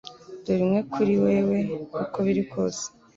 Dore imwe kuri wewe uko biri kose